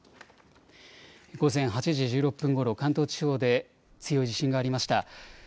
午前８時１６分ごろ、関東地方で強い地震がありました。